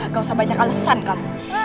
gak usah banyak alasan kamu